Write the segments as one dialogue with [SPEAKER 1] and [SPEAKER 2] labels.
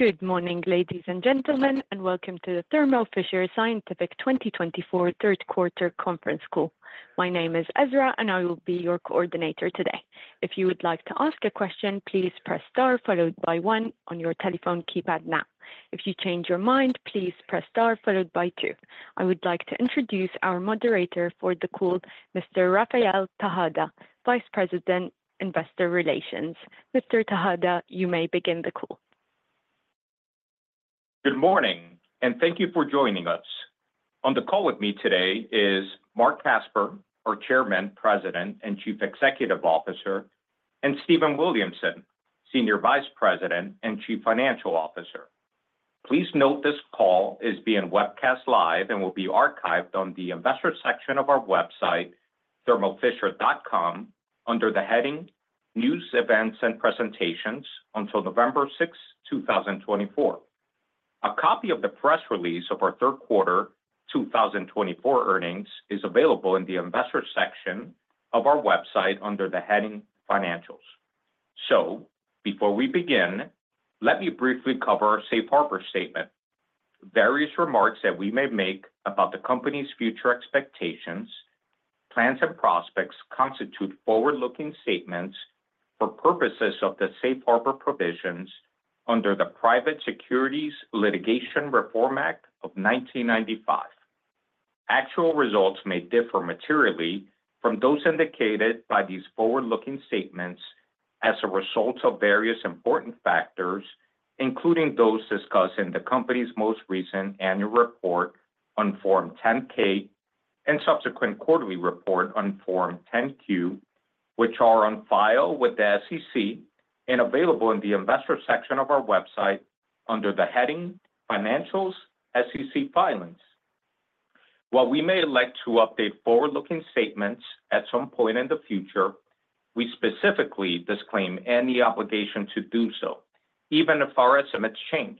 [SPEAKER 1] Good morning, ladies and gentlemen, and welcome to the Thermo Fisher Scientific 2024 Third Quarter Conference Call. My name is Ezra, and I will be your coordinator today. If you would like to ask a question, please press star followed by one on your telephone keypad now. If you change your mind, please press star followed by two. I would like to introduce our moderator for the call, Mr. Rafael Tejada, Vice President, Investor Relations. Mr. Tejada, you may begin the call.
[SPEAKER 2] Good morning, and thank you for joining us. On the call with me today is Marc Casper, our Chairman, President, and Chief Executive Officer, and Stephen Williamson, Senior Vice President and Chief Financial Officer. Please note this call is being webcast live and will be archived on the investor section of our website, thermofisher.com, under the heading News, Events, and Presentations until November 6th, 2024. A copy of the press release of our third quarter 2024 earnings is available in the investor section of our website under the heading Financials. So before we begin, let me briefly cover our Safe Harbor statement. Various remarks that we may make about the company's future expectations, plans, and prospects constitute forward-looking statements for purposes of the Safe Harbor Provisions under the Private Securities Litigation Reform Act of 1995. Actual results may differ materially from those indicated by these forward-looking statements as a result of various important factors, including those discussed in the company's most recent annual report on Form 10-K and subsequent quarterly report on Form 10-Q, which are on file with the SEC and available in the investor section of our website under the heading Financials, SEC Filings. While we may elect to update forward-looking statements at some point in the future, we specifically disclaim any obligation to do so, even if our estimates change.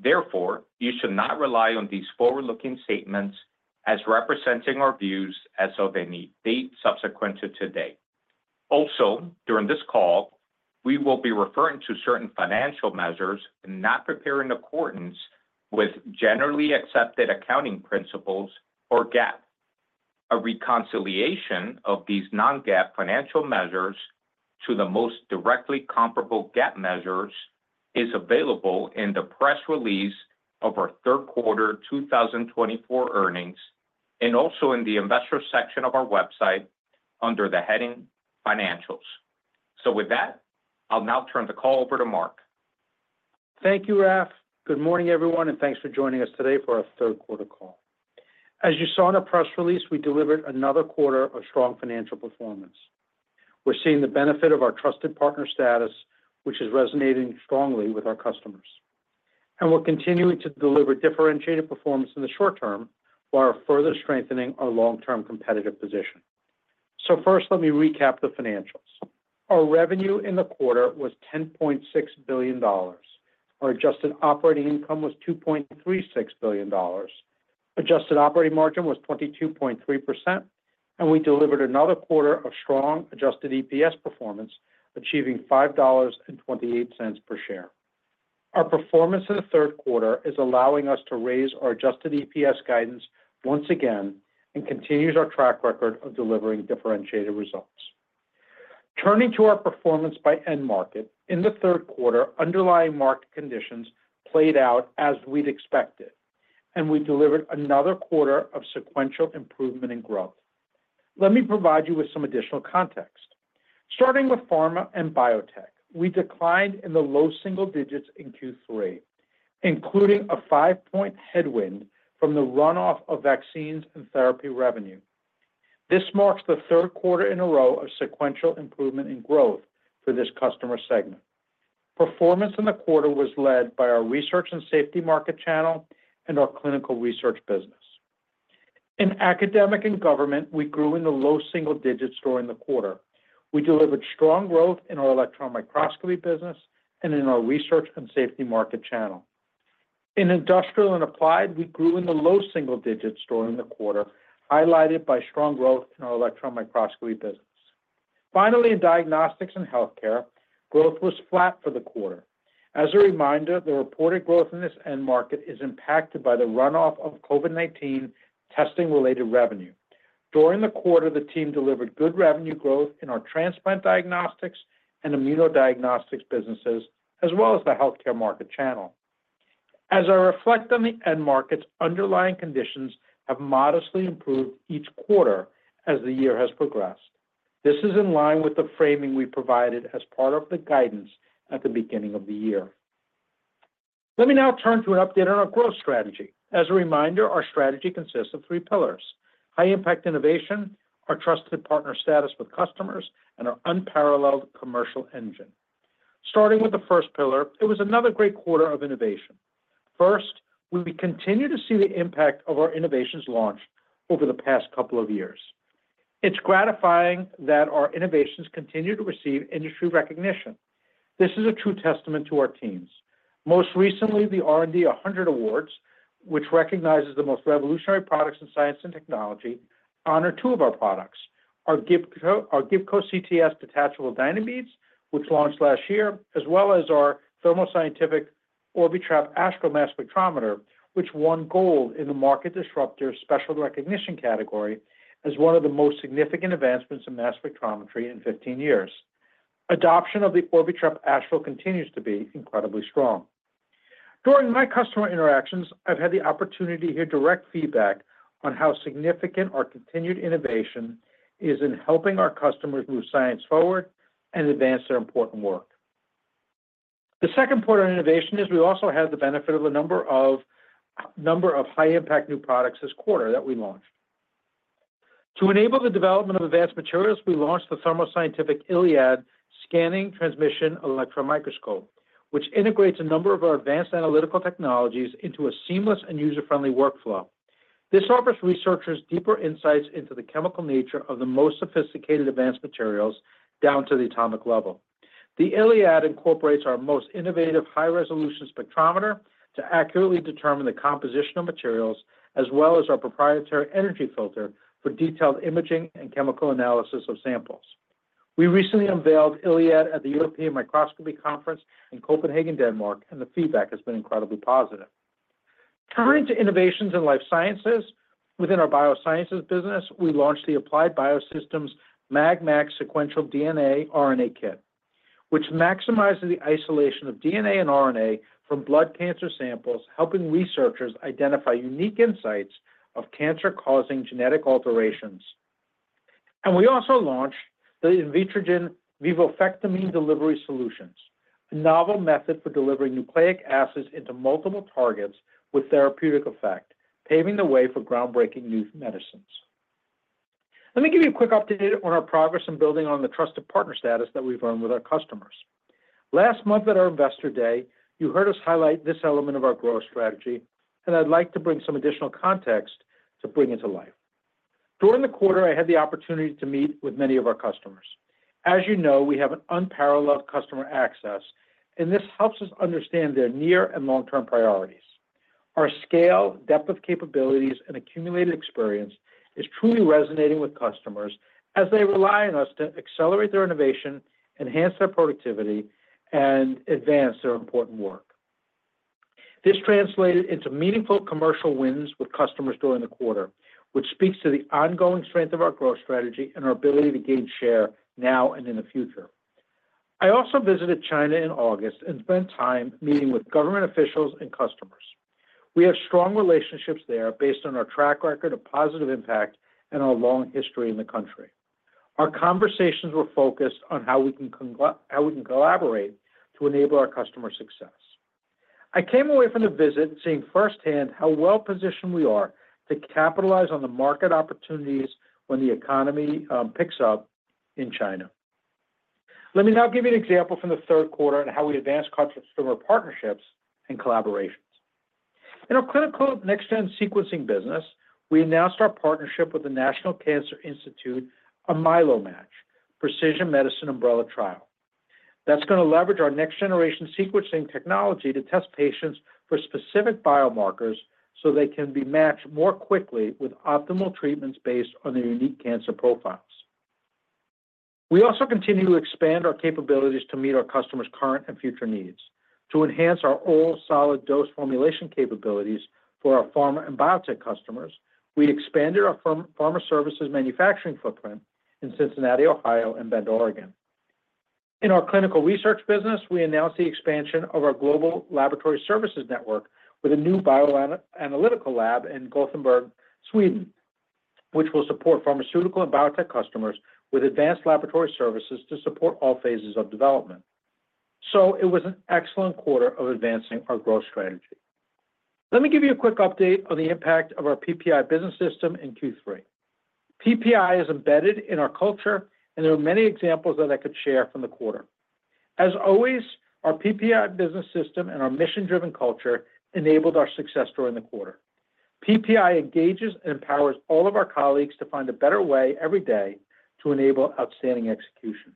[SPEAKER 2] Therefore, you should not rely on these forward-looking statements as representing our views as of any date subsequent to today. Also, during this call, we will be referring to certain financial measures not prepared in accordance with generally accepted accounting principles or GAAP. A reconciliation of these non-GAAP financial measures to the most directly comparable GAAP measures is available in the press release of our third quarter 2024 earnings, and also in the investor section of our website under the heading Financials. So with that, I'll now turn the call over to Marc.
[SPEAKER 3] Thank you, Raf. Good morning, everyone, and thanks for joining us today for our third quarter call. As you saw in our press release, we delivered another quarter of strong financial performance. We're seeing the benefit of our trusted partner status, which is resonating strongly with our customers, and we're continuing to deliver differentiated performance in the short term while further strengthening our long-term competitive position. So first, let me recap the financials. Our revenue in the quarter was $10.6 billion. Our adjusted operating income was $2.36 billion. Adjusted operating margin was 22.3%, and we delivered another quarter of strong adjusted EPS performance, achieving $5.28 per share. Our performance in the third quarter is allowing us to raise our adjusted EPS guidance once again and continues our track record of delivering differentiated results. Turning to our performance by end market. In the third quarter, underlying market conditions played out as we'd expected, and we delivered another quarter of sequential improvement and growth. Let me provide you with some additional context. Starting with pharma and biotech, we declined in the low single digits in Q3, including a five-point headwind from the runoff of vaccines and therapy revenue. This marks the third quarter in a row of sequential improvement in growth for this customer segment. Performance in the quarter was led by our Research and Safety Market Channel and our Clinical Research business. In academic and government, we grew in the low-single digits during the quarter. We delivered strong growth in our Electron Microscopy business and in our Research and Safety Market Channel. In industrial and applied, we grew in the low single digits during the quarter, highlighted by strong growth in our Electron Microscopy business. Finally, in diagnostics and healthcare, growth was flat for the quarter. As a reminder, the reported growth in this end market is impacted by the runoff of COVID-19 testing-related revenue. During the quarter, the team delivered good revenue growth in our Transplant Diagnostics and Immunodiagnostics businesses, as well as the Healthcare Market Channel. As I reflect on the end markets, underlying conditions have modestly improved each quarter as the year has progressed. This is in line with the framing we provided as part of the guidance at the beginning of the year. Let me now turn to an update on our growth strategy. As a reminder, our strategy consists of three pillars: high-impact innovation, our trusted partner status with customers, and our unparalleled commercial engine. Starting with the first pillar, it was another great quarter of innovation. First, we continue to see the impact of our innovations launched over the past couple of years. It's gratifying that our innovations continue to receive industry recognition. This is a true testament to our teams. Most recently, the R&D 100 Awards, which recognizes the most revolutionary products in science and technology, honored two of our products: our Gibco CTS Detachable Dynabeads, which launched last year, as well as our Thermo Scientific Orbitrap Astral Mass Spectrometer, which won gold in the Market Disruptor Special Recognition category as one of the most significant advancements in mass spectrometry in 15 years. Adoption of the Orbitrap Astral continues to be incredibly strong. During my customer interactions, I've had the opportunity to hear direct feedback on how significant our continued innovation is in helping our customers move science forward and advance their important work. The second part of innovation is we also had the benefit of a number of high-impact new products this quarter that we launched. To enable the development of advanced materials, we launched the Thermo Scientific Iliad Scanning Transmission Electron Microscope, which integrates a number of our advanced analytical technologies into a seamless and user-friendly workflow. This offers researchers deeper insights into the chemical nature of the most sophisticated advanced materials, down to the atomic level. The Iliad incorporates our most innovative high-resolution spectrometer to accurately determine the composition of materials, as well as our proprietary energy filter for detailed imaging and chemical analysis of samples. We recently unveiled Iliad at the European Microscopy Conference in Copenhagen, Denmark, and the feedback has been incredibly positive. Turning to innovations in life sciences, within our Biosciences business, we launched the Applied Biosystems MagMAX Sequential DNA/RNA kit, which maximizes the isolation of DNA and RNA from blood cancer samples, helping researchers identify unique insights of cancer-causing genetic alterations, and we also launched the Invitrogen Vivofectamine Delivery Solutions, a novel method for delivering nucleic acids into multiple targets with therapeutic effect, paving the way for groundbreaking new medicines. Let me give you a quick update on our progress in building on the trusted partner status that we've earned with our customers. Last month at our Investor Day, you heard us highlight this element of our growth strategy, and I'd like to bring some additional context to bring it to life. During the quarter, I had the opportunity to meet with many of our customers. As you know, we have an unparalleled customer access, and this helps us understand their near and long-term priorities. Our scale, depth of capabilities, and accumulated experience is truly resonating with customers as they rely on us to accelerate their innovation, enhance their productivity, and advance their important work. This translated into meaningful commercial wins with customers during the quarter, which speaks to the ongoing strength of our growth strategy and our ability to gain share now and in the future. I also visited China in August and spent time meeting with government officials and customers. We have strong relationships there based on our track record of positive impact and our long history in the country. Our conversations were focused on how we can collaborate to enable our customer success. I came away from the visit seeing firsthand how well positioned we are to capitalize on the market opportunities when the economy picks up in China. Let me now give you an example from the third quarter on how we advanced customer partnerships and collaborations. In our Clinical Next-Gen Sequencing business, we announced our partnership with the National Cancer Institute, a MyeloMATCH Precision Medicine Umbrella Trial. That's gonna leverage our next-generation sequencing technology to test patients for specific biomarkers so they can be matched more quickly with optimal treatments based on their unique cancer profiles. We also continue to expand our capabilities to meet our customers' current and future needs. To enhance our oral solid dose formulation capabilities for our pharma and biotech customers, we expanded our Pharma Services manufacturing footprint in Cincinnati, Ohio, and Bend, Oregon. In our Clinical Research business, we announced the expansion of our global laboratory services network with a new bioanalytical lab in Gothenburg, Sweden, which will support pharmaceutical and biotech customers with advanced laboratory services to support all phases of development, so it was an excellent quarter of advancing our growth strategy. Let me give you a quick update on the impact of our PPI business system in Q3. PPI is embedded in our culture, and there are many examples that I could share from the quarter. As always, our PPI business system and our mission-driven culture enabled our success during the quarter. PPI engages and empowers all of our colleagues to find a better way every day to enable outstanding execution.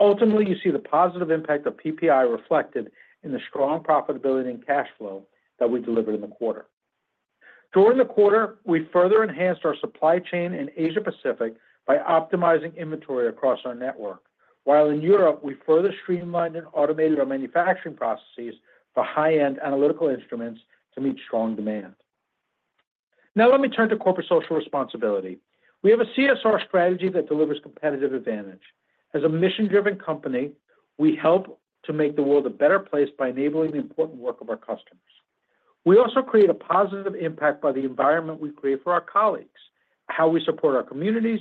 [SPEAKER 3] Ultimately, you see the positive impact of PPI reflected in the strong profitability and cash flow that we delivered in the quarter. During the quarter, we further enhanced our supply chain in Asia-Pacific by optimizing inventory across our network, while in Europe, we further streamlined and automated our manufacturing processes for high-end analytical instruments to meet strong demand. Now let me turn to corporate social responsibility. We have a CSR strategy that delivers competitive advantage. As a mission-driven company, we help to make the world a better place by enabling the important work of our customers. We also create a positive impact by the environment we create for our colleagues, how we support our communities,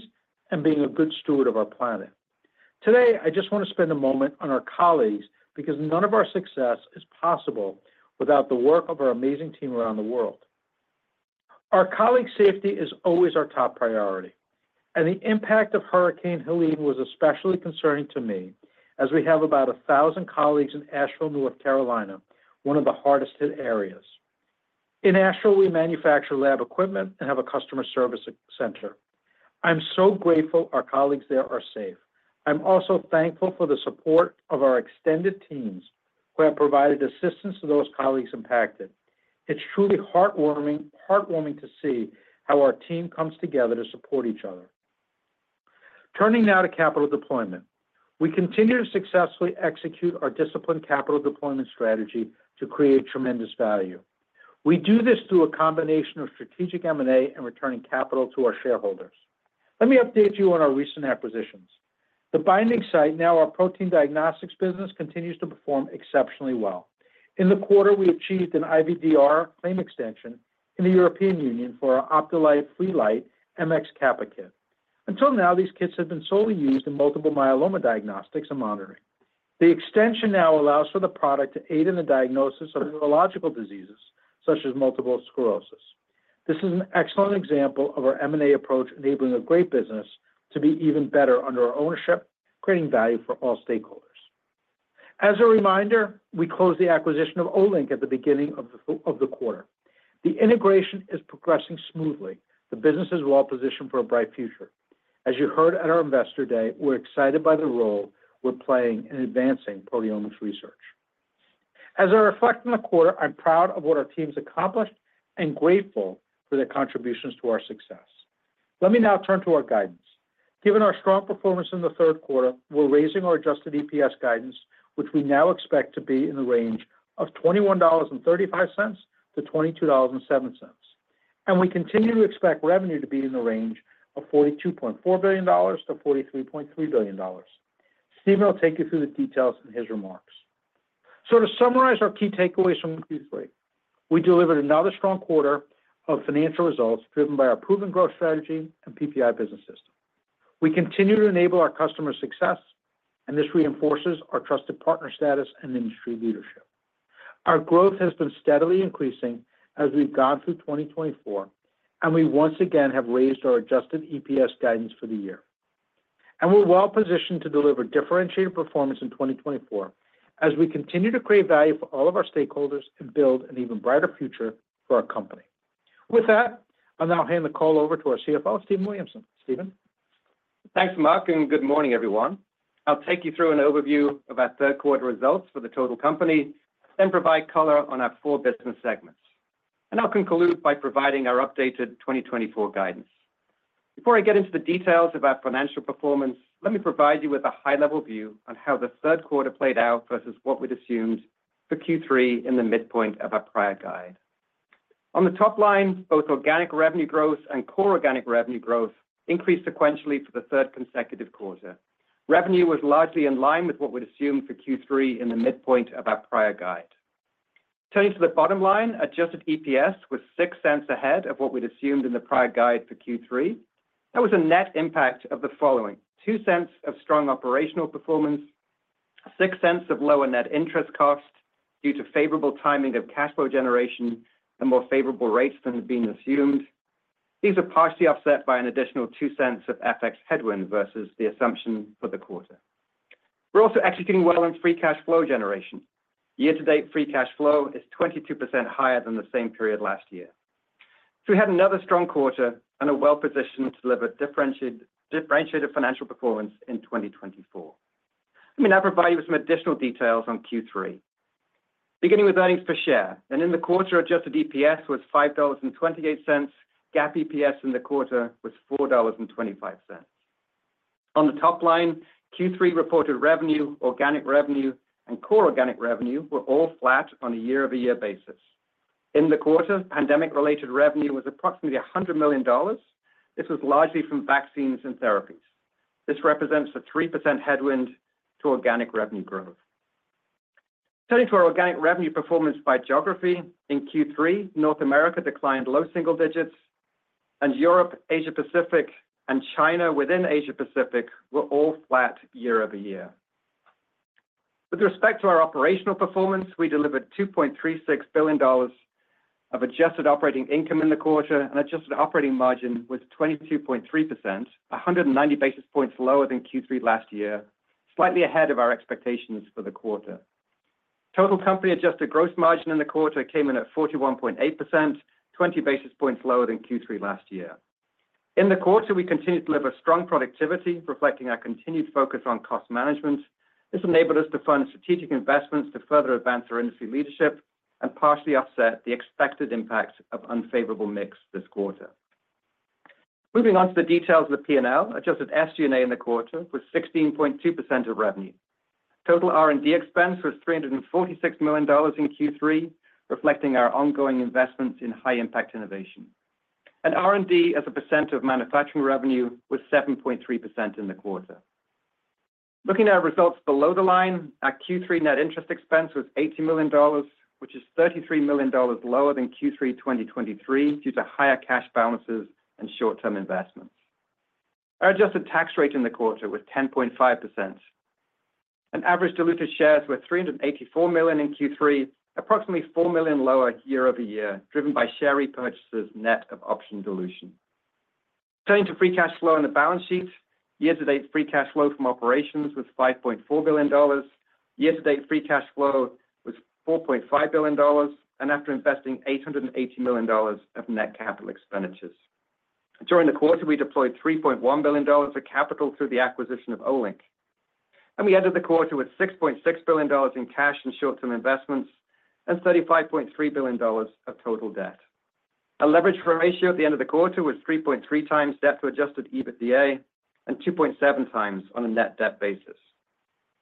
[SPEAKER 3] and being a good steward of our planet. Today, I just want to spend a moment on our colleagues because none of our success is possible without the work of our amazing team around the world. Our colleagues' safety is always our top priority, and the impact of Hurricane Helene was especially concerning to me, as we have about a thousand colleagues in Asheville, North Carolina, one of the hardest hit areas. In Asheville, we manufacture lab equipment and have a customer service center. I'm so grateful our colleagues there are safe. I'm also thankful for the support of our extended teams, who have provided assistance to those colleagues impacted. It's truly heartwarming, heartwarming to see how our team comes together to support each other. Turning now to capital deployment. We continue to successfully execute our disciplined capital deployment strategy to create tremendous value. We do this through a combination of strategic M&A and returning capital to our shareholders. Let me update you on our recent acquisitions. The Binding Site, now our Protein Diagnostics business, continues to perform exceptionally well. In the quarter, we achieved an IVDR claim extension in the European Union for our Optilite Freelite Mx Kappa kit. Until now, these kits have been solely used in multiple myeloma diagnostics and monitoring. The extension now allows for the product to aid in the diagnosis of neurological diseases, such as multiple sclerosis. This is an excellent example of our M&A approach, enabling a great business to be even better under our ownership, creating value for all stakeholders. As a reminder, we closed the acquisition of Olink at the beginning of the quarter. The integration is progressing smoothly. The business is well positioned for a bright future. As you heard at our Investor Day, we're excited by the role we're playing in advancing proteomics research. As I reflect on the quarter, I'm proud of what our team's accomplished and grateful for their contributions to our success. Let me now turn to our guidance. Given our strong performance in the third quarter, we're raising our adjusted EPS guidance, which we now expect to be in the range of $21.35-$22.07. And we continue to expect revenue to be in the range of $42.4 billion-$43.3 billion. Stephen will take you through the details in his remarks. So to summarize our key takeaways from Q3: we delivered another strong quarter of financial results, driven by our proven growth strategy and PPI business system. We continue to enable our customers' success, and this reinforces our trusted partner status and industry leadership. Our growth has been steadily increasing as we've gone through 2024, and we once again have raised our adjusted EPS guidance for the year. We're well positioned to deliver differentiated performance in 2024, as we continue to create value for all of our stakeholders and build an even brighter future for our company. With that, I'll now hand the call over to our CFO, Stephen Williamson. Stephen?
[SPEAKER 4] Thanks, Marc, and good morning, everyone. I'll take you through an overview of our third quarter results for the total company, then provide color on our four business segments, and I'll conclude by providing our updated 2024 guidance. Before I get into the details of our financial performance, let me provide you with a high-level view on how the third quarter played out versus what we'd assumed for Q3 in the midpoint of our prior guide. On the top line, both organic revenue growth and core organic revenue growth increased sequentially for the third consecutive quarter. Revenue was largely in line with what we'd assumed for Q3 in the midpoint of our prior guide. Turning to the bottom line, adjusted EPS was $0.06 ahead of what we'd assumed in the prior guide for Q3. That was a net impact of the following: $0.02 of strong operational performance, $0.06 of lower net interest cost due to favorable timing of cash flow generation and more favorable rates than had been assumed. These are partially offset by an additional $0.02 of FX headwind versus the assumption for the quarter. We're also executing well in free cash flow generation. Year-to-date, free cash flow is 22% higher than the same period last year. So we had another strong quarter and are well positioned to deliver differentiated financial performance in 2024. Let me now provide you with some additional details on Q3. Beginning with earnings per share, and in the quarter, adjusted EPS was $5.28. GAAP EPS in the quarter was $4.25. On the top line, Q3 reported revenue, organic revenue, and core organic revenue were all flat on a year-over-year basis. In the quarter, pandemic-related revenue was approximately $100 million. This was largely from vaccines and therapies. This represents a 3% headwind to organic revenue growth. Turning to our organic revenue performance by geography, in Q3, North America declined low-single digits, and Europe, Asia-Pacific, and China within Asia-Pacific were all flat year-over-year. With respect to our operational performance, we delivered $2.36 billion of adjusted operating income in the quarter, and adjusted operating margin was 22.3%, 190 basis points lower than Q3 last year, slightly ahead of our expectations for the quarter. Total company adjusted gross margin in the quarter came in at 41.8%, 20 basis points lower than Q3 last year. In the quarter, we continued to deliver strong productivity, reflecting our continued focus on cost management. This enabled us to fund strategic investments to further advance our industry leadership and partially offset the expected impact of unfavorable mix this quarter. Moving on to the details of the P&L, adjusted SG&A in the quarter was 16.2% of revenue. Total R&D expense was $346 million in Q3, reflecting our ongoing investments in high-impact innovation. R&D, as a percent of manufacturing revenue, was 7.3% in the quarter. Looking at our results below the line, our Q3 net interest expense was $80 million, which is $33 million lower than Q3 2023 due to higher cash balances and short-term investments. Our adjusted tax rate in the quarter was 10.5%, and average diluted shares were 384 million in Q3, approximately 4 million lower year-over-year, driven by share repurchases net of option dilution. Turning to free cash flow on the balance sheet, year-to-date free cash flow from operations was $5.4 billion. Year-to-date free cash flow was $4.5 billion, and after investing $880 million of net capital expenditures. During the quarter, we deployed $3.1 billion of capital through the acquisition of Olink, and we ended the quarter with $6.6 billion in cash and short-term investments, and $35.3 billion of total debt. Our leverage ratio at the end of the quarter was 3.3x debt to adjusted EBITDA, and 2.7x on a net-debt basis.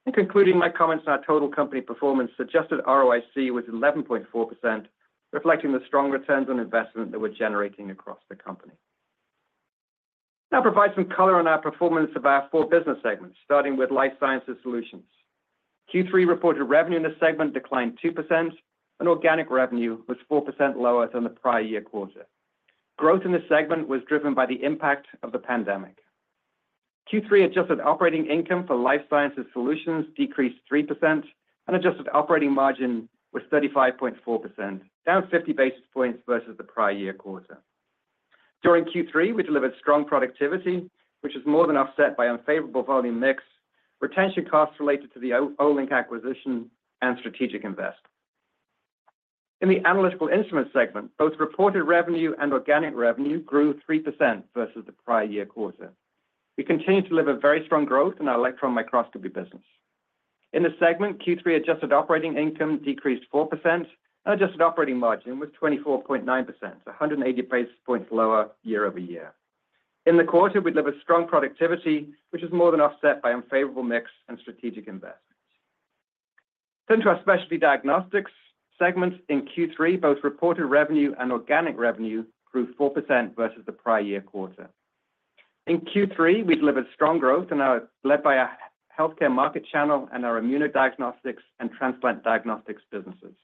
[SPEAKER 4] In concluding my comments on our total company performance, adjusted ROIC was 11.4%, reflecting the strong returns on investment that we're generating across the company. Now I'll provide some color on our performance of our four business segments, starting with Life Sciences Solutions. Q3 reported revenue in this segment declined 2%, and organic revenue was 4% lower than the prior year quarter. Growth in this segment was driven by the impact of the pandemic. Q3 adjusted operating income for Life Sciences Solutions decreased 3%, and adjusted operating margin was 35.4%, down 50 basis points versus the prior year quarter. During Q3, we delivered strong productivity, which is more than offset by unfavorable volume mix, retention costs related to the Olink acquisition, and strategic investment. In the Analytical Instruments segment, both reported revenue and organic revenue grew 3% versus the prior year quarter. We continue to deliver very strong growth in our Electron Microscopy business. In this segment, Q3 adjusted operating income decreased 4%, and adjusted operating margin was 24.9%, 180 basis points lower year-over-year. In the quarter, we delivered strong productivity, which is more than offset by unfavorable mix and strategic investments. Turn to our Specialty Diagnostics segments in Q3, both reported revenue and organic revenue grew 4% versus the prior year quarter. In Q3, we delivered strong growth and are led by our Healthcare Market Channel and our Immunodiagnostics and Transplant Diagnostics businesses.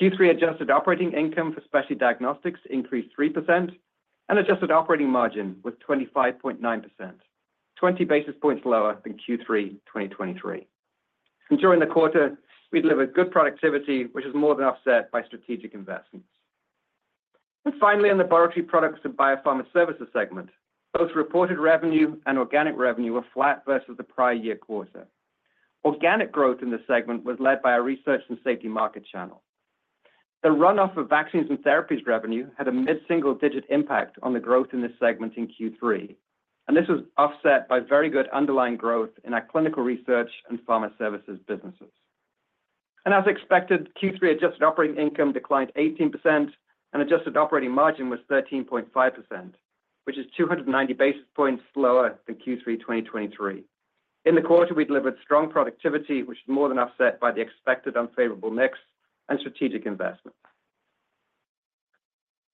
[SPEAKER 4] Q3 adjusted operating income for Specialty Diagnostics increased 3%, and adjusted operating margin was 25.9%, 20 basis points lower than Q3 2023, and during the quarter, we delivered good productivity, which is more than offset by strategic investments, and finally, in Laboratory Products and Biopharma Services segment, both reported revenue and organic revenue were flat versus the prior year quarter. Organic growth in this segment was led by our Research and Safety Market Channel. The runoff of vaccines and therapies revenue had a mid-single-digit impact on the growth in this segment in Q3, and this was offset by very good underlying growth in our Clinical Research and Pharma Services businesses. As expected, Q3 adjusted operating income declined 18% and adjusted operating margin was 13.5%, which is 290 basis points lower than Q3 2023. In the quarter, we delivered strong productivity, which is more than offset by the expected unfavorable mix and strategic investment.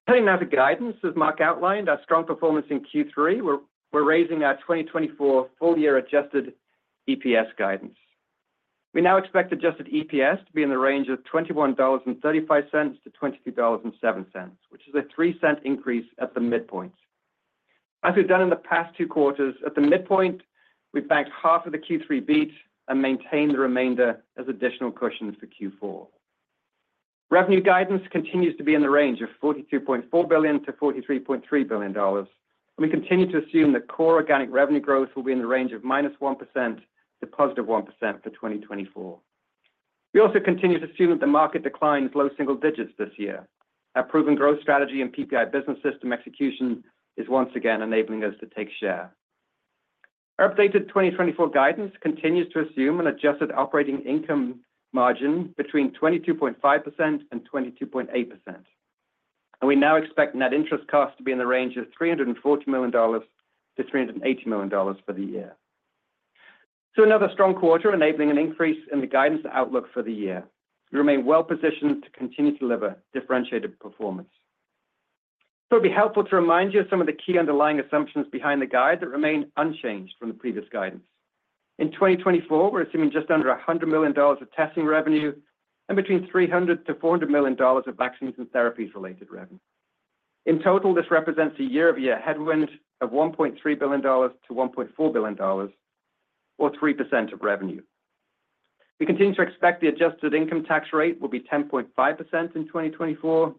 [SPEAKER 4] Turning now to guidance, as Marc outlined, our strong performance in Q3, we're raising our 2024 full year adjusted EPS guidance. We now expect adjusted EPS to be in the range of $21.35-$22.07, which is a $0.03 increase at the midpoint. As we've done in the past two quarters, at the midpoint, we've banked half of the Q3 beat and maintained the remainder as additional cushion for Q4. Revenue guidance continues to be in the range of $42.4 billion-$43.3 billion, and we continue to assume that core organic revenue growth will be in the range of -1% to +1% for 2024. We also continue to assume that the market decline is low-single digits this year. Our proven growth strategy and PPI business system execution is once again enabling us to take share. Our updated 2024 guidance continues to assume an adjusted operating income margin between 22.5% and 22.8%. We now expect net interest costs to be in the range of $340 million-$380 million for the year. Another strong quarter, enabling an increase in the guidance outlook for the year. We remain well positioned to continue to deliver differentiated performance. It'd be helpful to remind you of some of the key underlying assumptions behind the guide that remain unchanged from the previous guidance. In 2024, we're assuming just under $100 million of testing revenue and between $300 million-$400 million of vaccines and therapies related revenue. In total, this represents a year-over-year headwind of $1.3 billion-$1.4 billion, or 3% of revenue. We continue to expect the adjusted income tax rate will be 10.5% in 2024,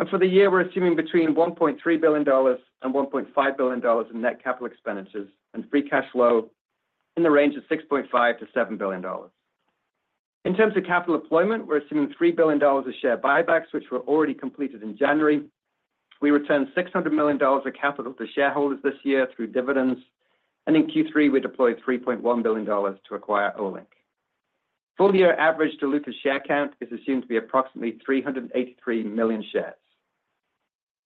[SPEAKER 4] and for the year, we're assuming between $1.3 billion and $1.5 billion in net capital expenditures and free cash flow in the range of $6.5 billion-$7 billion. In terms of capital deployment, we're assuming $3 billion of share buybacks, which were already completed in January. We returned $600 million of capital to shareholders this year through dividends, and in Q3, we deployed $3.1 billion to acquire Olink. Full year average diluted share count is assumed to be approximately 383 million shares.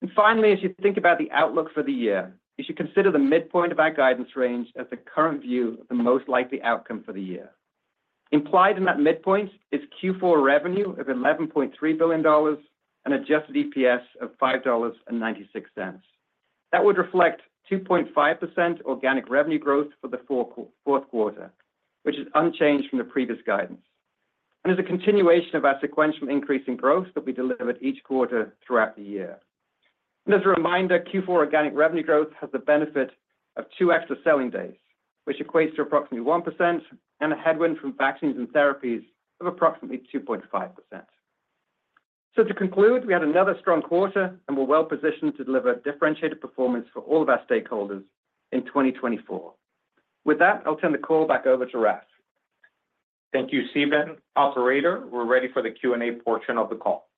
[SPEAKER 4] And finally, as you think about the outlook for the year, you should consider the midpoint of our guidance range as the current view of the most likely outcome for the year. Implied in that midpoint is Q4 revenue of $11.3 billion and adjusted EPS of $5.96. That would reflect 2.5% organic revenue growth for the fourth quarter, which is unchanged from the previous guidance, and is a continuation of our sequential increase in growth that we delivered each quarter throughout the year. And as a reminder, Q4 organic revenue growth has the benefit of two extra selling days, which equates to approximately 1% and a headwind from vaccines and therapies of approximately 2.5%. To conclude, we had another strong quarter, and we're well positioned to deliver differentiated performance for all of our stakeholders in 2024. With that, I'll turn the call back over to Raf.
[SPEAKER 2] Thank you, Stephen. Operator, we're ready for the Q&A portion of the call.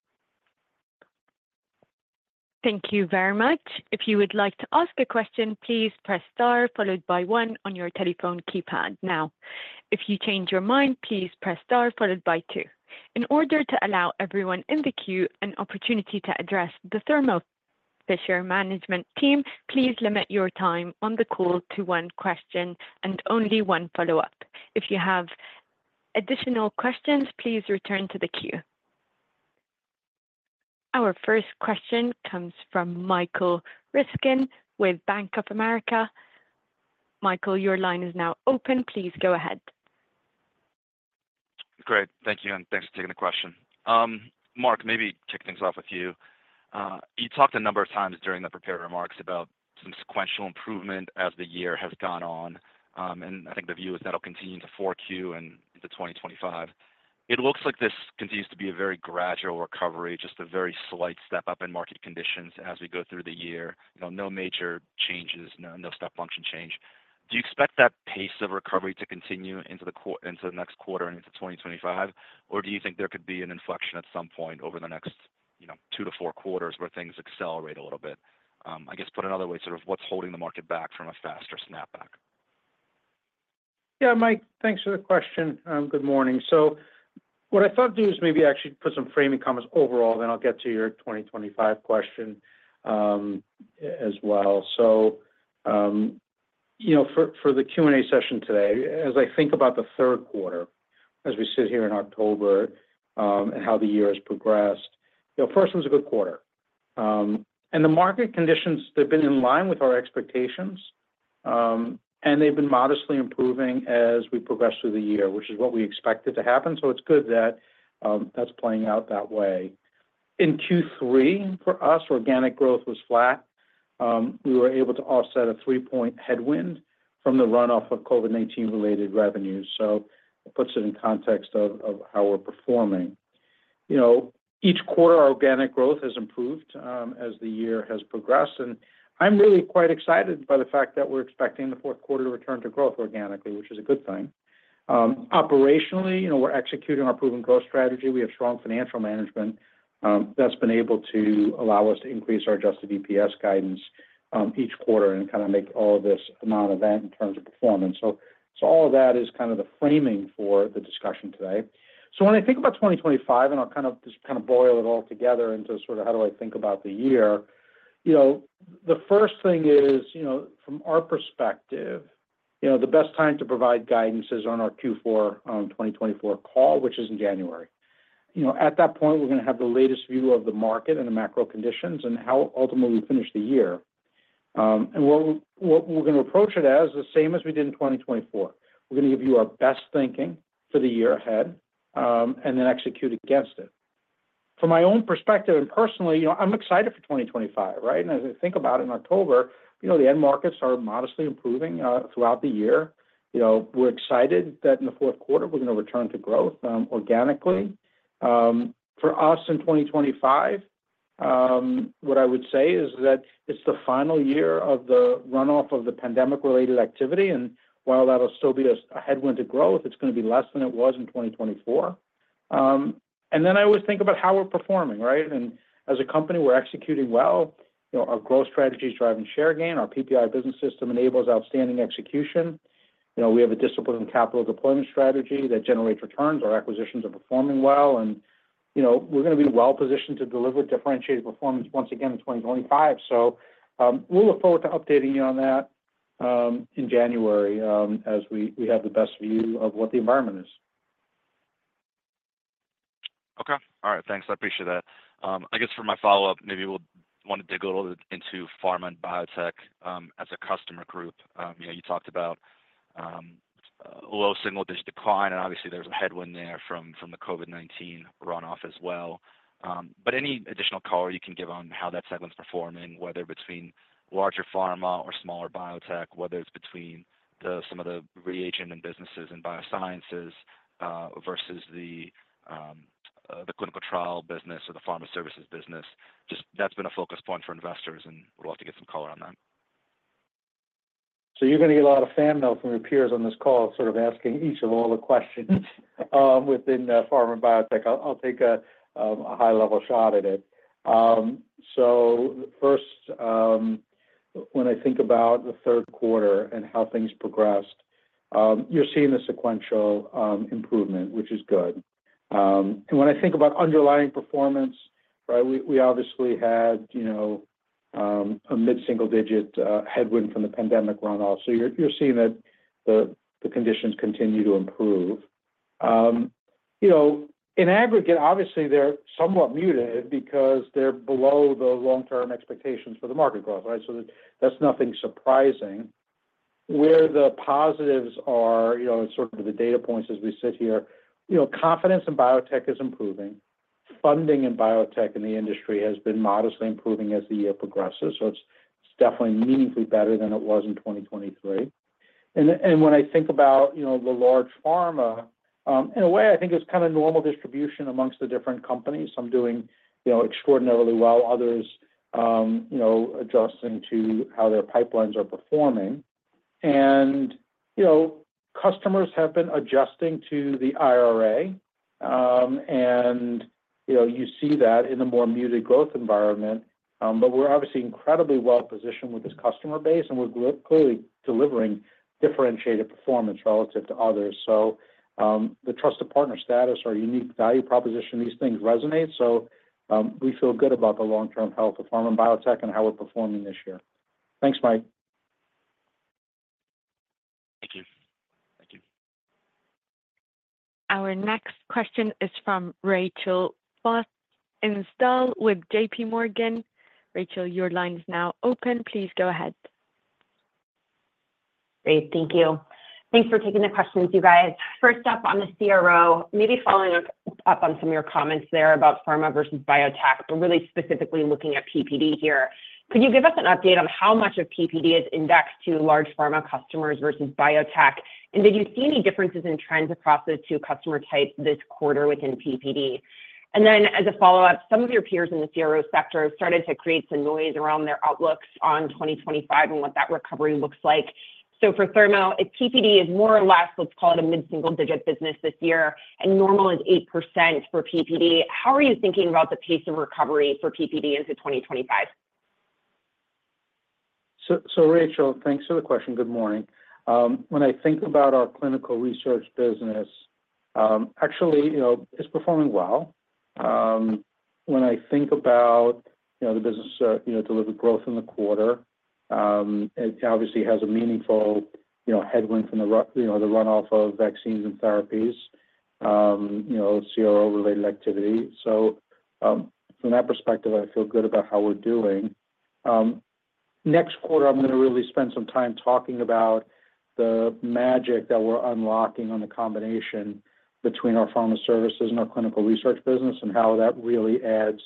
[SPEAKER 1] Thank you very much. If you would like to ask a question, please press star, followed by one on your telephone keypad now. If you change your mind, please press star followed by two. In order to allow everyone in the queue an opportunity to address the Thermo Fisher management team, please limit your time on the call to one question and only one follow-up. If you have additional questions, please return to the queue. Our first question comes from Michael Ryskin with Bank of America. Michael, your line is now open. Please go ahead.
[SPEAKER 5] Great. Thank you, and thanks for taking the question. Marc, maybe kick things off with you. You talked a number of times during the prepared remarks about some sequential improvement as the year has gone on, and I think the view is that'll continue into 4Q and into 2025. It looks like this continues to be a very gradual recovery, just a very slight step up in market conditions as we go through the year. You know, no major changes, no step function change. Do you expect that pace of recovery to continue into the next quarter and into 2025? Or do you think there could be an inflection at some point over the next, you know, 2-4 quarters where things accelerate a little bit? I guess, put another way, sort of what's holding the market back from a faster snapback?
[SPEAKER 3] Yeah, Mike, thanks for the question, good morning, so what I thought I'd do is maybe actually put some framing comments overall, then I'll get to your 2025 question, as well, so you know, for the Q&A session today, as I think about the third quarter, as we sit here in October, and how the year has progressed, you know, first, it was a good quarter, and the market conditions have been in line with our expectations, and they've been modestly improving as we progress through the year, which is what we expected to happen, so it's good that that's playing out that way. In Q3, for us, organic growth was flat. We were able to offset a three-point headwind from the runoff of COVID-19 related revenues, so it puts it in context of how we're performing. You know, each quarter, our organic growth has improved, as the year has progressed, and I'm really quite excited by the fact that we're expecting the fourth quarter to return to growth organically, which is a good thing. Operationally, you know, we're executing our proven growth strategy. We have strong financial management, that's been able to allow us to increase our adjusted EPS guidance, each quarter and kind of make all of this a non-event in terms of performance. So all of that is kind of the framing for the discussion today. So when I think about 2025, and I'll kind of just kind of boil it all together into sort of how do I think about the year, you know, the first thing is, you know, from our perspective, you know, the best time to provide guidance is on our Q4 2024 call, which is in January. You know, at that point, we're going to have the latest view of the market and the macro conditions and how ultimately we finish the year. And what we're going to approach it as the same as we did in 2024. We're going to give you our best thinking for the year ahead, and then execute against it. From my own perspective, and personally, you know, I'm excited for 2025, right? And as I think about it in October, you know, the end markets are modestly improving throughout the year. You know, we're excited that in the fourth quarter we're going to return to growth organically. For us, in 2025, what I would say is that it's the final year of the runoff of the pandemic-related activity, and while that'll still be a headwind to growth, it's going to be less than it was in 2024. And then I always think about how we're performing, right? And as a company, we're executing well. You know, our growth strategy is driving share gain. Our PPI business system enables outstanding execution. You know, we have a disciplined capital deployment strategy that generates returns. Our acquisitions are performing well, and, you know, we're going to be well positioned to deliver differentiated performance once again in 2025. We'll look forward to updating you on that in January as we have the best view of what the environment is.
[SPEAKER 5] Okay. All right. Thanks, I appreciate that. I guess for my follow-up, maybe we'll want to dig a little bit into pharma and biotech as a customer group. You know, you talked about a low-single-digit decline, and obviously there's a headwind there from the COVID-19 runoff as well. But any additional color you can give on how that segment is performing, whether between larger pharma or smaller biotech, whether it's between the some of the reagent and businesses and Biosciences versus the the Clinical Trial business or the Pharma Services business. Just that's been a focus point for investors, and we'd love to get some color on that.
[SPEAKER 3] So you're going to get a lot of fan mail from your peers on this call, sort of asking each of all the questions within pharma and biotech. I'll take a high-level shot at it. First, when I think about the third quarter and how things progressed, you're seeing a sequential improvement, which is good. When I think about underlying performance, right, we obviously had, you know, a mid-single-digit headwind from the pandemic runoff. You're seeing that the conditions continue to improve. You know, in aggregate, obviously, they're somewhat muted because they're below the long-term expectations for the market growth, right? That's nothing surprising. Where the positives are, you know, and sort of the data points as we sit here, you know, confidence in biotech is improving. Funding in biotech in the industry has been modestly improving as the year progresses, so it's definitely meaningfully better than it was in 2023, and when I think about, you know, the large pharma, in a way, I think it's kind of normal distribution amongst the different companies. Some doing, you know, extraordinarily well, others, you know, adjusting to how their pipelines are performing. And, you know, customers have been adjusting to the IRA, and, you know, you see that in a more muted growth environment. But we're obviously incredibly well-positioned with this customer base, and we're clearly delivering differentiated performance relative to others. So, the trusted partner status, our unique value proposition, these things resonate. So, we feel good about the long-term health of pharma and biotech and how we're performing this year. Thanks, Mike.
[SPEAKER 5] Thank you. Thank you.
[SPEAKER 1] Our next question is from Rachel Vatnsdal, analyst with JP Morgan. Rachel, your line is now open. Please go ahead.
[SPEAKER 6] Great, thank you. Thanks for taking the questions, you guys. First up, on the CRO, maybe following up on some of your comments there about pharma versus biotech, but really specifically looking at PPD here. Could you give us an update on how much of PPD is indexed to large pharma customers versus biotech? And did you see any differences in trends across the two customer types this quarter within PPD? And then, as a follow-up, some of your peers in the CRO sector have started to create some noise around their outlooks on 2025 and what that recovery looks like. So for Thermo, if PPD is more or less, let's call it a mid-single-digit business this year, and normal is 8% for PPD, how are you thinking about the pace of recovery for PPD into 2025?
[SPEAKER 3] So, Rachel, thanks for the question. Good morning. When I think about our Clinical Research business, actually, you know, it's performing well. When I think about, you know, the business, you know, delivered growth in the quarter, it obviously has a meaningful, you know, headwind from the runoff of vaccines and therapies, you know, CRO-related activity. So, from that perspective, I feel good about how we're doing. Next quarter, I'm gonna really spend some time talking about the magic that we're unlocking on the combination between our Pharma Services and our Clinical Research business, and how that really adds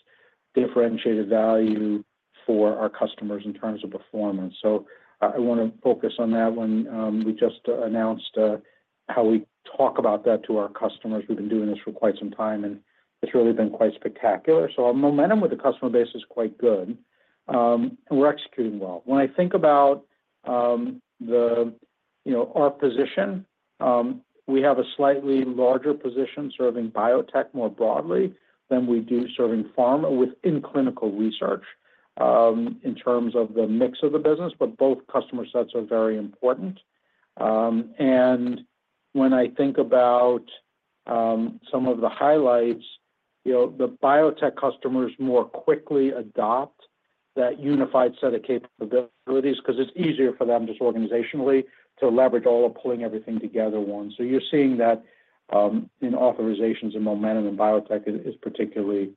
[SPEAKER 3] differentiated value for our customers in terms of performance. So I wanna focus on that one. We just announced how we talk about that to our customers. We've been doing this for quite some time, and it's really been quite spectacular, so our momentum with the customer base is quite good, and we're executing well. When I think about, the, you know, our position, we have a slightly larger position serving biotech more broadly than we do serving pharma within Clinical Research, in terms of the mix of the business, but both customer sets are very important, and when I think about, some of the highlights, you know, the biotech customers more quickly adopt that unified set of capabilities 'cause it's easier for them, just organizationally, to leverage all of pulling everything together once, so you're seeing that, in authorizations and momentum, and biotech is particularly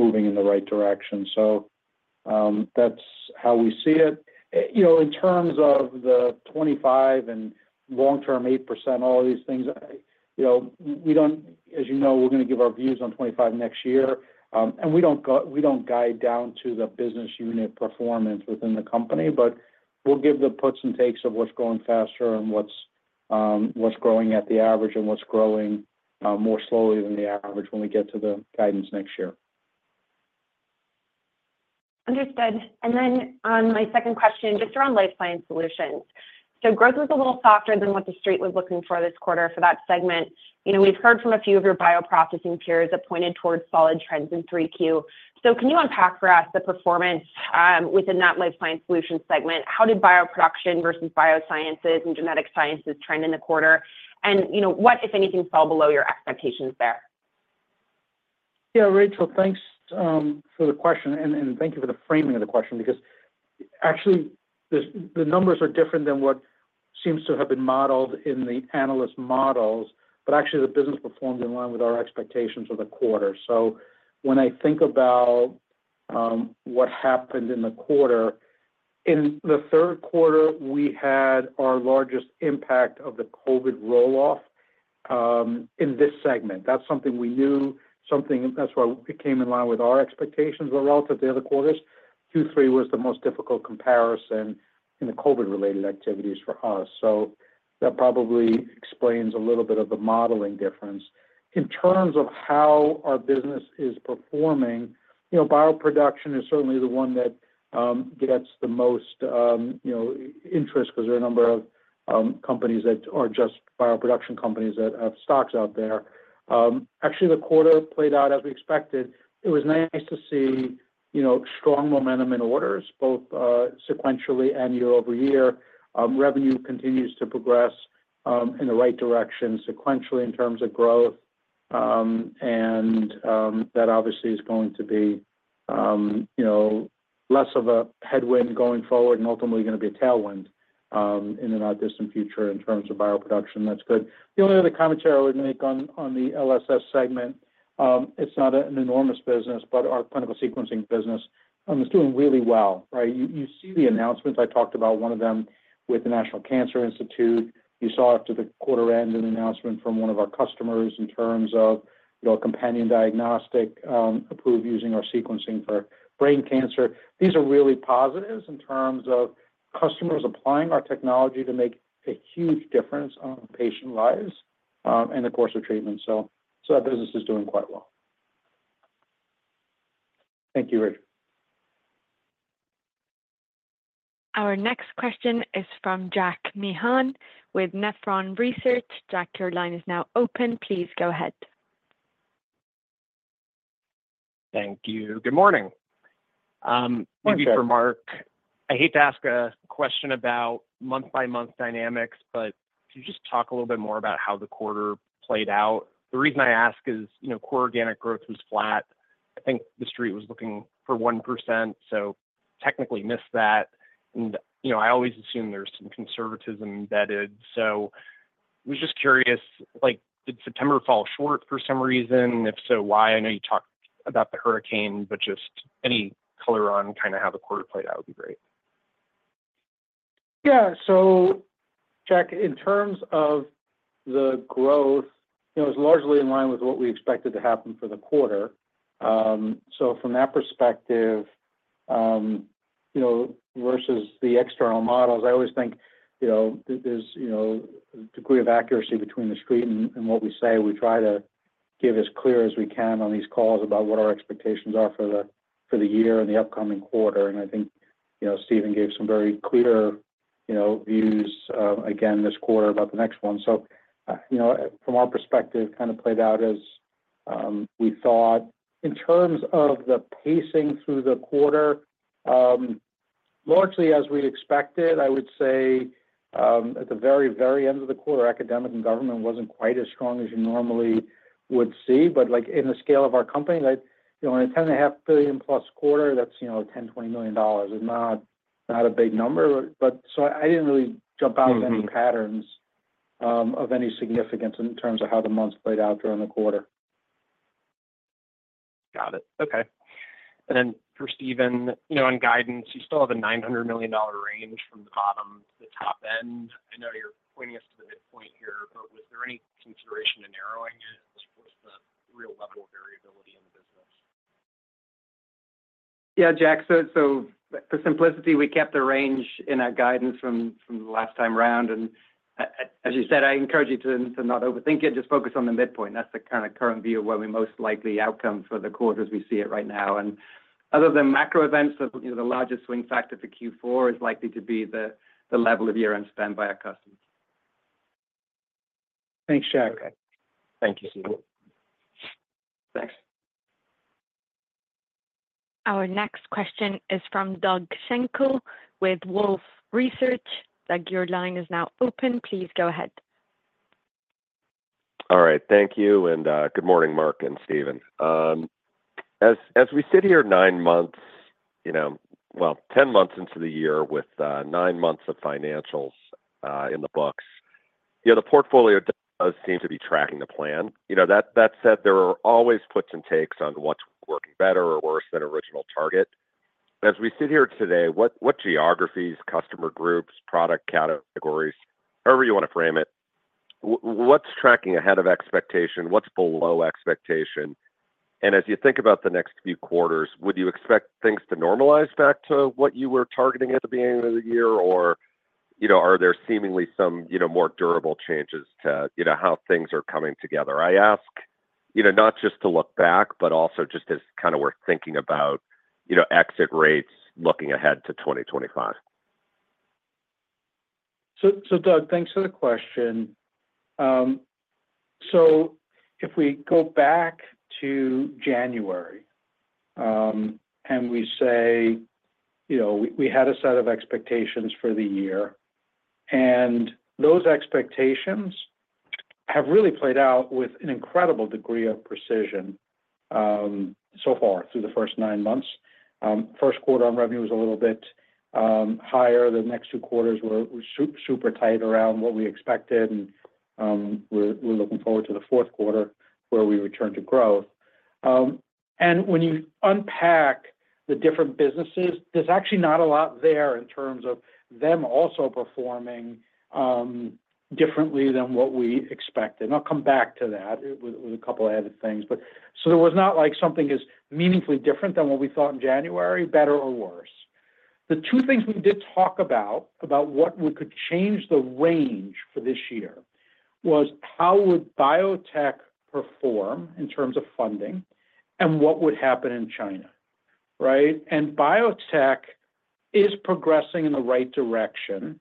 [SPEAKER 3] moving in the right direction, so that's how we see it. You know, in terms of the 2025 and long-term 8%, all these things. You know, we don't, as you know, we're gonna give our views on 2025 next year. And we don't guide down to the business unit performance within the company, but we'll give the puts and takes of what's growing faster and what's growing at the average and what's growing more slowly than the average when we get to the guidance next year.
[SPEAKER 6] Understood. And then on my second question, just around Life Science Solutions. So growth was a little softer than what the street was looking for this quarter for that segment. You know, we've heard from a few of your bioprocessing peers that pointed towards solid trends in 3Q. So can you unpack for us the performance within that Life Science Solutions segment? How did bioproduction versus Biosciences and genetic sciences trend in the quarter? And, you know, what, if anything, fell below your expectations there?
[SPEAKER 3] Yeah, Rachel, thanks for the question, and thank you for the framing of the question, because actually, the numbers are different than what seems to have been modeled in the analyst models, but actually, the business performed in line with our expectations for the quarter. So when I think about what happened in the quarter, in the third quarter, we had our largest impact of the COVID roll-off in this segment. That's something we knew, something. That's why it came in line with our expectations relative to the other quarters. Q3 was the most difficult comparison in the COVID-related activities for us, so that probably explains a little bit of the modeling difference. In terms of how our business is performing, you know, bioproduction is certainly the one that gets the most, you know, interest because there are a number of companies that are just bioproduction companies that have stocks out there. Actually, the quarter played out as we expected. It was nice to see, you know, strong momentum in orders, both sequentially and year-over-year. Revenue continues to progress in the right direction sequentially, in terms of growth. And that obviously is going to be, you know, less of a headwind going forward and ultimately gonna be a tailwind in the not-distant future in terms of bioproduction. That's good. The only other commentary I would make on the LSS segment, it's not an enormous business, but our Clinical Sequencing business is doing really well, right? You see the announcements. I talked about one of them with the National Cancer Institute. You saw after the quarter end an announcement from one of our customers in terms of, you know, companion diagnostic approved using our sequencing for brain cancer. These are really positives in terms of customers applying our technology to make a huge difference on patient lives and the course of treatment. So that business is doing quite well. Thank you, Rachel.
[SPEAKER 1] Our next question is from Jack Meehan with Nephron Research. Jack, your line is now open. Please go ahead.
[SPEAKER 7] Thank you. Good morning.
[SPEAKER 3] Morning.
[SPEAKER 7] Maybe for Marc, I hate to ask a question about month-by-month dynamics, but could you just talk a little bit more about how the quarter played out? The reason I ask is, you know, core organic growth was flat. I think the street was looking for 1%, so technically missed that. And, you know, I always assume there's some conservatism embedded. So I was just curious, like, did September fall short for some reason? If so, why? I know you talked about the hurricane, but just any color on kinda how the quarter played out would be great.
[SPEAKER 3] Yeah. So Jack, in terms of the growth, it was largely in line with what we expected to happen for the quarter. So from that perspective, you know, versus the external models, I always think, you know, there's, you know, degree of accuracy between the street and, and what we say. We try to give as clear as we can on these calls about what our expectations are for the, for the year and the upcoming quarter. And I think, you know, Stephen gave some very clear, you know, views, again, this quarter about the next one. So, you know, from our perspective, kind of played out as, we thought. In terms of the pacing through the quarter, largely as we expected, I would say, at the very, very end of the quarter, academic and government wasn't quite as strong as you normally would see, but, like, in the scale of our company, like, you know, in a $10.5 billion+ quarter, that's, you know, $10 million-$20 million. It's not a big number, but so I didn't really jump out-
[SPEAKER 7] Mm-hmm
[SPEAKER 3] with any patterns, of any significance in terms of how the months played out during the quarter.
[SPEAKER 7] Got it. Okay. And then for Stephen, you know, on guidance, you still have a $900 million range from the bottom to the top end. I know you're pointing us to the midpoint here, but was there any consideration in narrowing it? What's the real level of variability in the business?
[SPEAKER 4] Yeah, Jack. So for simplicity, we kept the range in our guidance from the last time round, and as you said, I encourage you to not overthink it, just focus on the midpoint. That's the kinda current view of where we most likely outcome for the quarter as we see it right now. And other than macro events, you know, the largest swing factor for Q4 is likely to be the level of year-end spend by our customers.
[SPEAKER 3] Thanks, Jack.
[SPEAKER 7] Okay. Thank you, Stephen.
[SPEAKER 4] Thanks.
[SPEAKER 1] Our next question is from Doug Schenkel with Wolfe Research. Doug, your line is now open. Please go ahead.
[SPEAKER 8] All right, thank you, and good morning, Mark and Stephen. As we sit here nine months, you know, well, 10 months into the year with nine months of financials in the books, you know, the portfolio does seem to be tracking the plan. You know, that said, there are always puts and takes on what's working better or worse than original target. As we sit here today, what geographies, customer groups, product categories, however you want to frame it, what's tracking ahead of expectation, what's below expectation? And as you think about the next few quarters, would you expect things to normalize back to what you were targeting at the beginning of the year, or, you know, are there seemingly some, you know, more durable changes to, you know, how things are coming together? I ask, you know, not just to look back, but also just as kinda we're thinking about, you know, exit rates looking ahead to 2025.
[SPEAKER 3] So, Doug, thanks for the question. So if we go back to January, and we say, you know, we had a set of expectations for the year, and those expectations have really played out with an incredible degree of precision so far through the first nine months. First quarter on revenue was a little bit higher. The next two quarters were super tight around what we expected, and we're looking forward to the fourth quarter, where we return to growth. And when you unpack the different businesses, there's actually not a lot there in terms of them also performing differently than what we expected, and I'll come back to that with a couple of other things. But so there was not like something is meaningfully different than what we thought in January, better or worse. The two things we did talk about, about what we could change the range for this year was: how would biotech perform in terms of funding, and what would happen in China, right? And biotech is progressing in the right direction.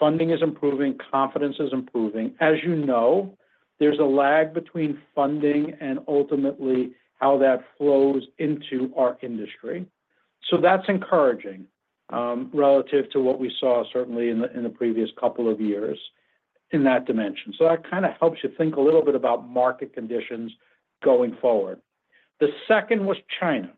[SPEAKER 3] Funding is improving, confidence is improving. As you know, there's a lag between funding and ultimately how that flows into our industry. So that's encouraging, relative to what we saw certainly in the previous couple of years in that dimension. So that kinda helps you think a little bit about market conditions going forward. The second was China.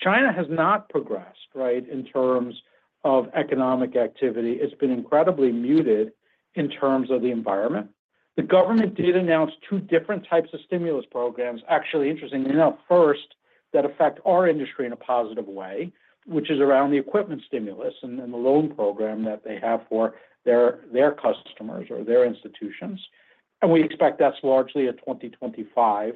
[SPEAKER 3] China has not progressed, right, in terms of economic activity. It's been incredibly muted in terms of the environment. The government did announce two different types of stimulus programs. Actually, interestingly enough. First, that affect our industry in a positive way, which is around the equipment stimulus and the loan program that they have for their customers or their institutions. And we expect that's largely a 2025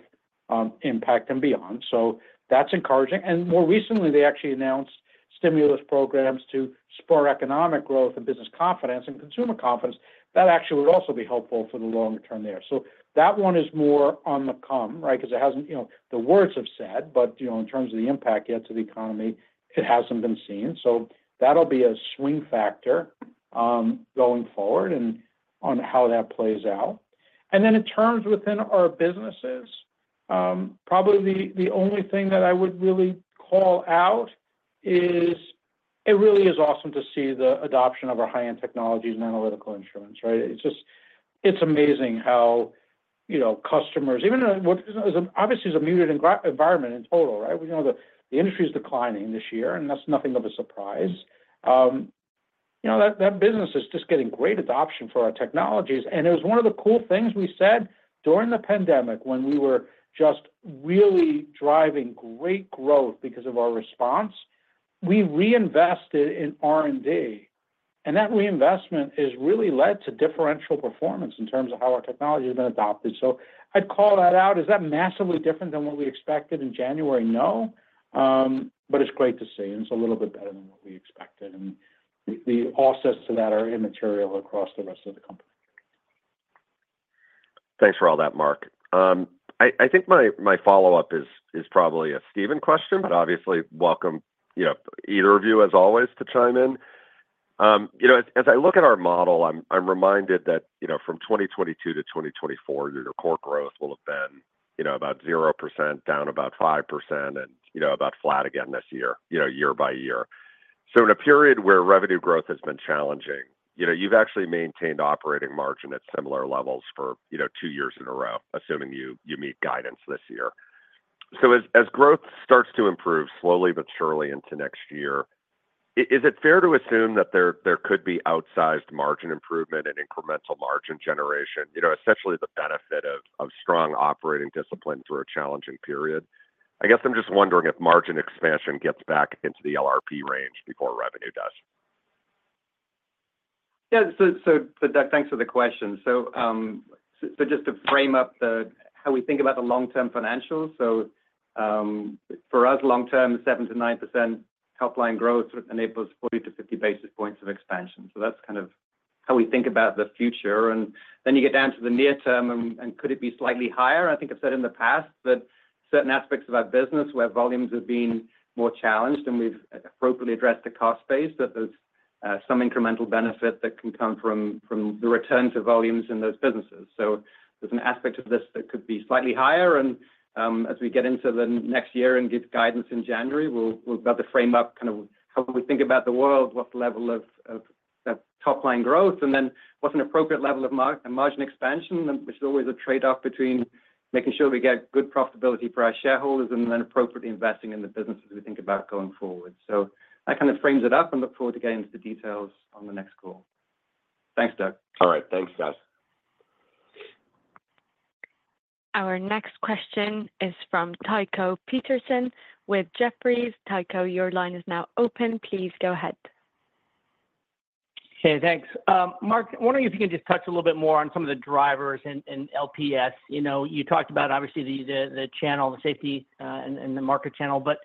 [SPEAKER 3] impact and beyond. So that's encouraging. And more recently, they actually announced stimulus programs to spur economic growth and business confidence and consumer confidence, that actually would also be helpful for the longer term there. So that one is more on the come, right? Because it hasn't, you know, the words have said, but, you know, in terms of the impact yet to the economy, it hasn't been seen. So that'll be a swing factor, going forward and on how that plays out. And then in terms within our businesses, probably the only thing that I would really call out is, it really is awesome to see the adoption of our high-end technologies and analytical instruments, right? It's just it's amazing how, you know, customers, even though what is obviously a muted environment in total, right? We know the industry is declining this year, and that's nothing of a surprise. You know, that business is just getting great adoption for our technologies. And it was one of the cool things we said during the pandemic, when we were just really driving great growth because of our response, we reinvested in R&D, and that reinvestment has really led to differential performance in terms of how our technology has been adopted. So I'd call that out. Is that massively different than what we expected in January? No, but it's great to see, and it's a little bit better than what we expected, and the offsets to that are immaterial across the rest of the company.
[SPEAKER 8] Thanks for all that, Marc. I think my follow-up is probably a Stephen question, but obviously welcome, you know, either of you, as always, to chime in. You know, as I look at our model, I'm reminded that, you know, from 2022-2024, your core growth will have been, you know, about 0%, down about 5%, and, you know, about flat again this year, you know, year-by-year. So in a period where revenue growth has been challenging, you know, you've actually maintained operating margin at similar levels for, you know, two years in a row, assuming you meet guidance this year. So as growth starts to improve slowly but surely into next year, is it fair to assume that there could be outsized margin improvement and incremental margin generation? You know, essentially the benefit of, of strong operating discipline through a challenging period. I guess I'm just wondering if margin expansion gets back into the LRP range before revenue does.
[SPEAKER 4] Yeah. So, Doug, thanks for the question. So, just to frame up how we think about the long-term financials. So, for us, long-term, 7%-9% top line growth enables 40-50 basis points of expansion. So that's kind of how we think about the future. And then you get down to the near term and could it be slightly higher? I think I've said in the past that certain aspects of our business where volumes have been more challenged, and we've appropriately addressed the cost base, that there's some incremental benefit that can come from the return to volumes in those businesses. So there's an aspect of this that could be slightly higher. As we get into the next year and give guidance in January, we'll be able to frame up kind of how we think about the world, what's the level of that top line growth, and then what's an appropriate level of margin expansion. And there's always a trade-off between making sure we get good profitability for our shareholders and then appropriately investing in the business as we think about going forward. So that kind of frames it up, and look forward to getting into the details on the next call. Thanks, Doug.
[SPEAKER 8] All right. Thanks, guys.
[SPEAKER 1] Our next question is from Tycho Peterson with Jefferies. Tycho, your line is now open. Please go ahead.
[SPEAKER 9] Hey, thanks. Marc, I wonder if you can just touch a little bit more on some of the drivers in LPS. You know, you talked about, obviously, the channel, the safety, and the market channel. But,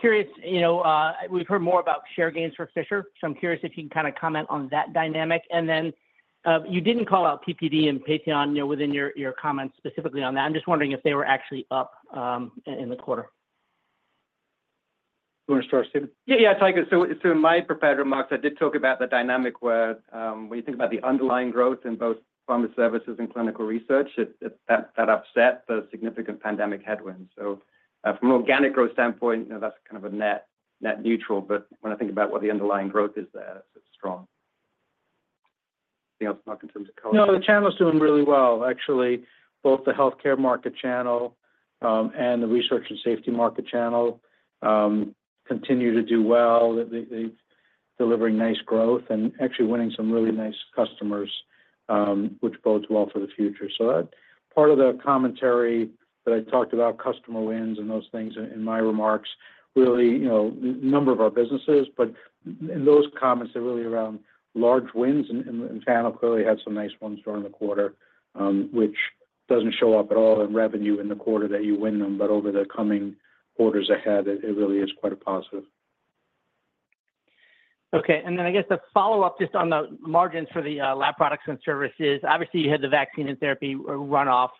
[SPEAKER 9] curious, you know, we've heard more about share gains for Fisher, so I'm curious if you can kinda comment on that dynamic. And then, you didn't call out PPD and Patheon, you know, within your comments specifically on that. I'm just wondering if they were actually up in the quarter.
[SPEAKER 3] You want to start, Stephen?
[SPEAKER 4] Yeah, yeah, Tycho. So in my prepared remarks, I did talk about the dynamic where, when you think about the underlying growth in both Pharma Services and Clinical Research, it that offset the significant pandemic headwinds. So from an organic growth standpoint, you know, that's kind of a net neutral. But when I think about what the underlying growth is there, it's strong. Anything else, Marc, in terms of color?
[SPEAKER 3] No, the channel is doing really well. Actually, both the Healthcare Market Channel and the Research and Safety Market Channel continue to do well. They, they're delivering nice growth and actually winning some really nice customers, which bodes well for the future. So that part of the commentary that I talked about customer wins and those things in my remarks, really, you know, number of our businesses. But in those comments are really around large wins, and channel clearly had some nice ones during the quarter, which doesn't show up at all in revenue in the quarter that you win them, but over the coming quarters ahead, it really is quite a positive.
[SPEAKER 9] Okay. And then I guess the follow-up, just on the margins for the lab products and services. Obviously, you had the vaccine and therapy runoff.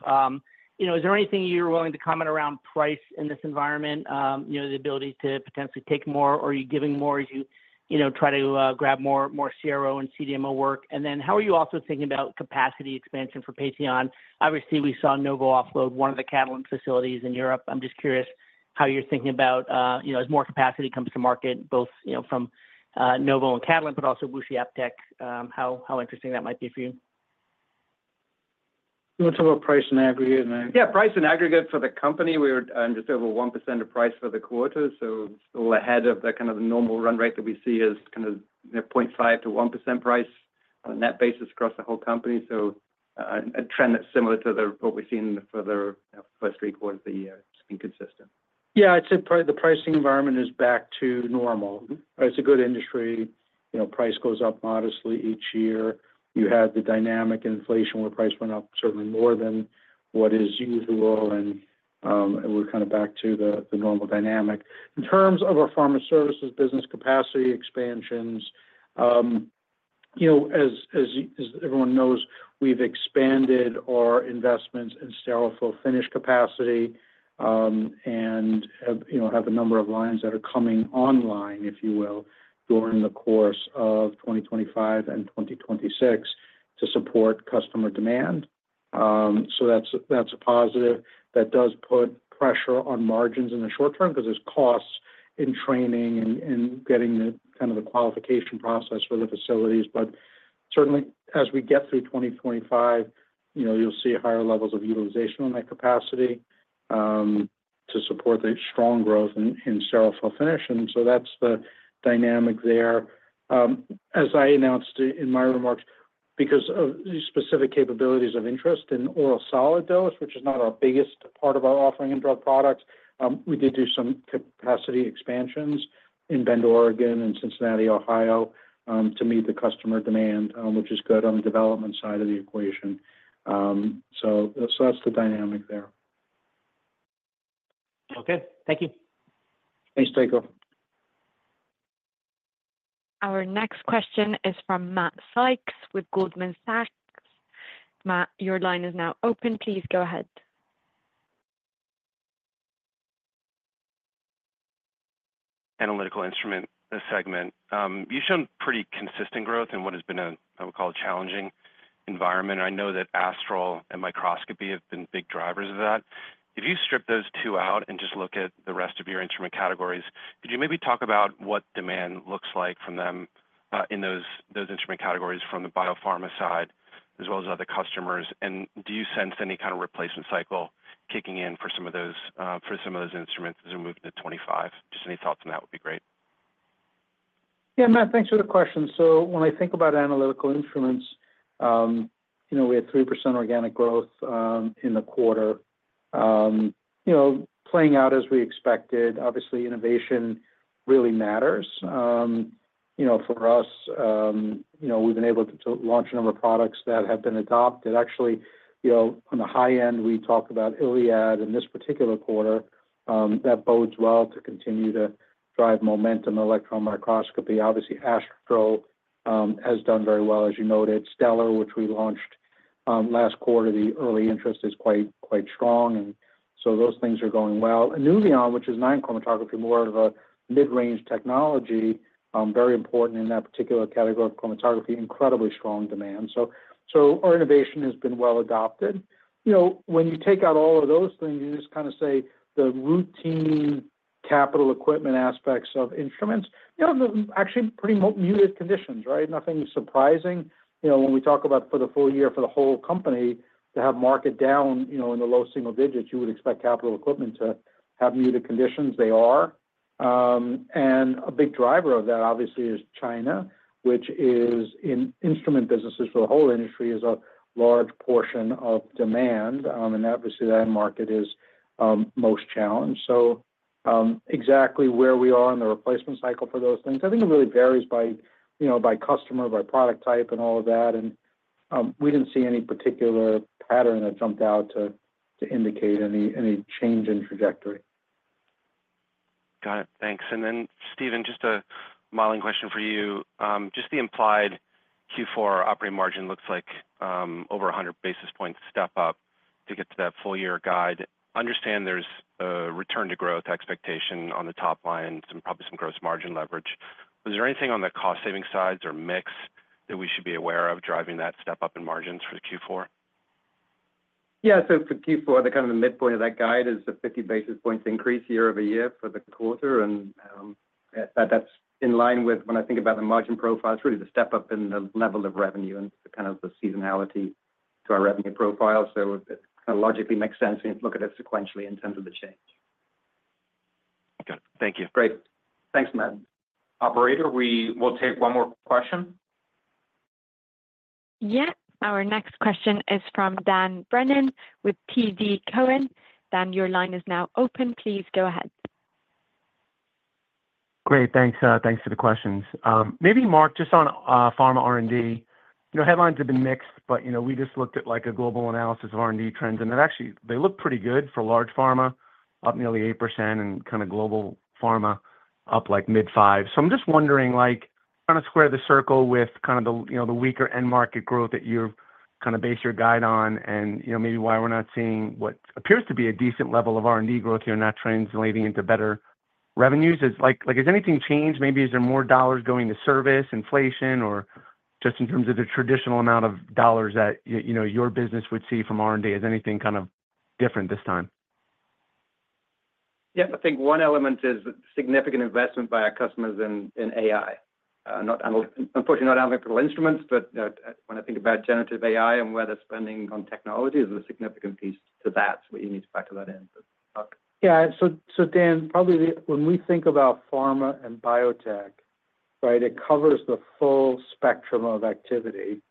[SPEAKER 9] You know, is there anything you're willing to comment around price in this environment? You know, the ability to potentially take more, or are you giving more as you, you know, try to grab more CRO and CDMO work? And then how are you also thinking about capacity expansion for Patheon? Obviously, we saw Novo offload one of the Catalent facilities in Europe. I'm just curious how you're thinking about, you know, as more capacity comes to market, both, you know, from Novo and Catalent, but also WuXi AppTec, how interesting that might be for you.
[SPEAKER 3] You want to talk about price and aggregate, and I-
[SPEAKER 4] Yeah, pricing in aggregate for the company, we were just over 1% in price for the quarter, so still ahead of the kind of normal run rate that we see as kind of, you know, 0.5%-1% price on net basis across the whole company, so a trend that's similar to what we've seen for the, you know, first three quarters of the year. It's been consistent.
[SPEAKER 3] Yeah, I'd say probably the pricing environment is back to normal. It's a good industry. You know, price goes up modestly each year. You had the dynamic inflation, where price went up certainly more than what is usual, and we're kind of back to the normal dynamic. In terms of our Pharma Services business capacity expansions, you know, as everyone knows, we've expanded our investments in sterile fill-finish capacity, and have, you know, a number of lines that are coming online, if you will, during the course of 2025 and 2026 to support customer demand. So that's a positive that does put pressure on margins in the short term, because there's costs in training and getting the qualification process for the facilities. But certainly, as we get through 2025, you know, you'll see higher levels of utilization on that capacity to support the strong growth in sterile fill-finish. And so that's the dynamic there. As I announced in my remarks, because of these specific capabilities of interest in oral solid dose, which is not our biggest part of our offering in drug products, we did do some capacity expansions in Bend, Oregon and Cincinnati, Ohio, to meet the customer demand, which is good on the development side of the equation. So that's the dynamic there.
[SPEAKER 9] Okay. Thank you.
[SPEAKER 4] Thanks, Tycho.
[SPEAKER 1] Our next question is from Matt Sykes with Goldman Sachs. Matt, your line is now open. Please go ahead.
[SPEAKER 10] Analytical Instrument segment. You've shown pretty consistent growth in what has been a, I would call, a challenging environment. I know that Astral and microscopy have been big drivers of that. If you strip those two out and just look at the rest of your instrument categories, could you maybe talk about what demand looks like from them in those instrument categories from the biopharma side, as well as other customers? And do you sense any kind of replacement cycle kicking in for some of those instruments as we move into 2025? Just any thoughts on that would be great.
[SPEAKER 3] Yeah, Matt, thanks for the question. So when I think about Analytical Instruments, you know, we had 3% organic growth in the quarter. You know, playing out as we expected, obviously, innovation really matters. You know, for us, you know, we've been able to launch a number of products that have been adopted. Actually, you know, on the high end, we talk about Iliad in this particular quarter, that bodes well to continue to drive momentum, electron microscopy. Obviously, Astral has done very well, as you noted. Stellar, which we launched last quarter, the early interest is quite strong, and so those things are going well. Inuvion, which is ion chromatography, more of a mid-range technology, very important in that particular category of chromatography, incredibly strong demand. So our innovation has been well adopted. You know, when you take out all of those things, you just kind of say the routine capital equipment aspects of instruments. You know, actually, pretty muted conditions, right? Nothing surprising. You know, when we talk about for the full year, for the whole company to have market down, you know, in the low-single digits, you would expect capital equipment to have muted conditions. They are. And a big driver of that, obviously, is China, which is in instrument businesses for the whole industry, is a large portion of demand, and obviously, that market is most challenged. So, exactly where we are in the replacement cycle for those things, I think it really varies by, you know, by customer, by product type, and all of that, and we didn't see any particular pattern that jumped out to indicate any change in trajectory.
[SPEAKER 10] Got it. Thanks. And then, Stephen, just a modeling question for you. Just the implied Q4 operating margin looks like over a 100 basis points step up to get to that full year guide. Understand there's a return to growth expectation on the top line, some, probably some gross margin leverage. Was there anything on the cost-saving sides or mix that we should be aware of driving that step up in margins for the Q4?
[SPEAKER 4] Yeah. So for Q4, the kind of the midpoint of that guide is a 50 basis points increase year-over-year for the quarter, and, that's in line with when I think about the margin profile. It's really the step up in the level of revenue and kind of the seasonality to our revenue profile. So it kind of logically makes sense when you look at it sequentially in terms of the change.
[SPEAKER 10] Okay. Thank you.
[SPEAKER 4] Great. Thanks, Matt.
[SPEAKER 3] Operator, we will take one more question.
[SPEAKER 1] Yeah. Our next question is from Dan Brennan with TD Cowen. Dan, your line is now open. Please go ahead.
[SPEAKER 11] Great. Thanks. Thanks for the questions. Maybe, Marc, just on pharma R&D, you know, headlines have been mixed, but, you know, we just looked at, like, a global analysis of R&D trends, and actually they look pretty good for large pharma, up nearly 8% and kind of global pharma, up like mid-5%. So I'm just wondering, like, kind of square the circle with kind of the, you know, the weaker end market growth that you've kind of based your guide on, and, you know, maybe why we're not seeing what appears to be a decent level of R&D growth here, not translating into better revenues. Is like, has anything changed? Maybe is there more dollars going to service, inflation, or just in terms of the traditional amount of dollars that you know, your business would see from R&D? Is anything kind of different this time?
[SPEAKER 4] Yeah, I think one element is significant investment by our customers in AI. Not Analytical Instruments, unfortunately, but when I think about generative AI and where they're spending on technology, there's a significant piece to that, so you need to factor that in.
[SPEAKER 3] Yeah, so Dan, probably the when we think about pharma and biotech, right, it covers the full spectrum of activity,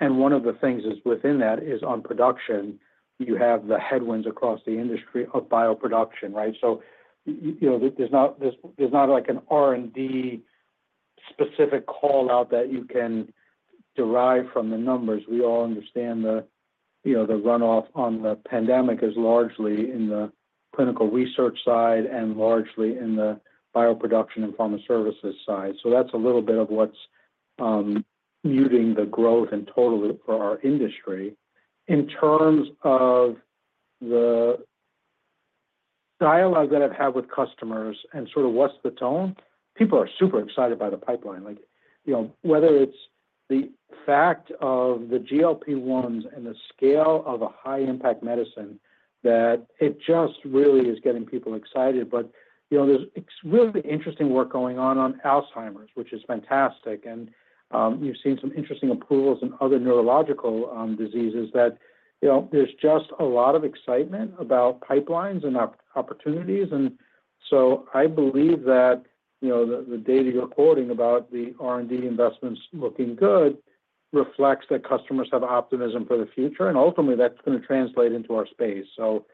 [SPEAKER 3] and one of the things within that is bioproduction, you have the headwinds across the industry of bioproduction, right, so you know, there's not like an R&D specific call-out that you can derive from the numbers. We all understand the, you know, the runoff on the pandemic is largely in the Clinical Research side and largely in the Bioproduction and Pharma Services side, so that's a little bit of what's muting the growth in total for our industry. In terms of the dialogue that I've had with customers and sort of what's the tone, people are super excited by the pipeline. Like, you know, whether it's the fact of the GLP-1s and the scale of a high-impact medicine, that it just really is getting people excited. But, you know, there's really interesting work going on Alzheimer's, which is fantastic, and, you've seen some interesting approvals in other neurological, diseases that, you know, there's just a lot of excitement about pipelines and opportunities. And so I believe that, you know, the, the data you're quoting about the R&D investments looking good reflects that customers have optimism for the future, and ultimately that's going to translate into our space. So,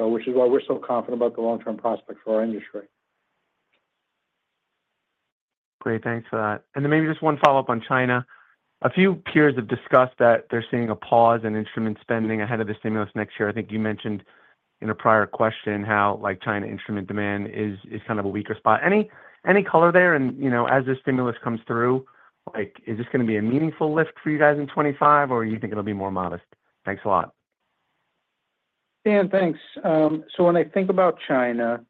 [SPEAKER 3] which is why we're so confident about the long-term prospects for our industry.
[SPEAKER 11] Great, thanks for that. And then maybe just one follow-up on China. A few peers have discussed that they're seeing a pause in instrument spending ahead of the stimulus next year. I think you mentioned in a prior question how, like, China instrument demand is kind of a weaker spot. Any color there? And, you know, as the stimulus comes through, like, is this going to be a meaningful lift for you guys in 2025, or you think it'll be more modest? Thanks a lot.
[SPEAKER 3] Dan, thanks. So when I think about China,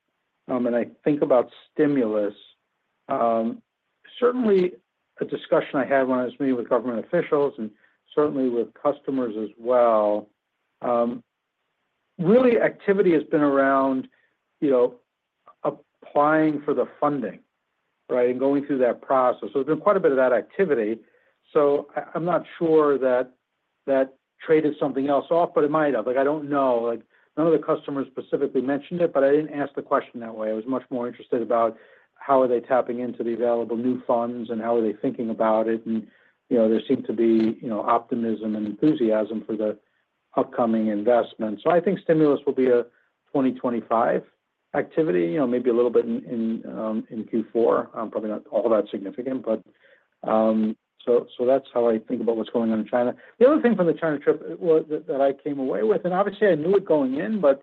[SPEAKER 3] and I think about stimulus, certainly a discussion I had when I was meeting with government officials and certainly with customers as well, really, activity has been around, you know, applying for the funding, right? And going through that process. So there's been quite a bit of that activity. So I, I'm not sure that that traded something else off, but it might have. Like, I don't know. Like, none of the customers specifically mentioned it, but I didn't ask the question that way. I was much more interested about how are they tapping into the available new funds and how are they thinking about it. And, you know, there seemed to be, you know, optimism and enthusiasm for the upcoming investment. So I think stimulus will be a 2025 activity, you know, maybe a little bit in Q4. Probably not all that significant, but. That's how I think about what's going on in China. The other thing from the China trip was that I came away with, and obviously I knew it going in, but,